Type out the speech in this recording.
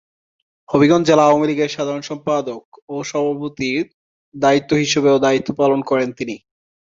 হবিগঞ্জ জেলা আওয়ামীলীগের সাধারণ সম্পাদক ও সভাপতির দায়িত্ব হিসেবেও দায়িত্ব পালন করেন তিনি।